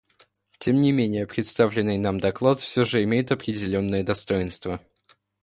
Тем не менее представленный нам доклад все же имеет определенные достоинства.